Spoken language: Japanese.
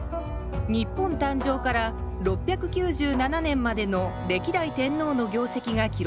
日本誕生から６９７年までの歴代天皇の業績が記録されています